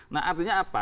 nah artinya apa